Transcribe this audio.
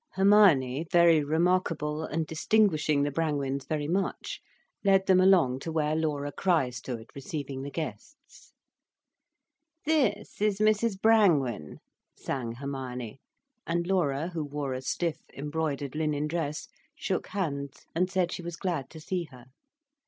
Hermione, very remarkable, and distinguishing the Brangwens very much, led them along to where Laura Crich stood receiving the guests. "This is Mrs Brangwen," sang Hermione, and Laura, who wore a stiff embroidered linen dress, shook hands and said she was glad to see her.